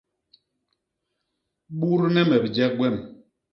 Budne me bijek gwem.